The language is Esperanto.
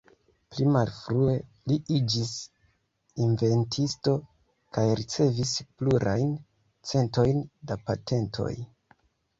Pli malfrue, li iĝis inventisto kaj ricevis plurajn centojn da patentoj.